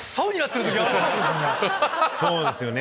そうですよね。